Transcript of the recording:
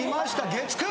月９。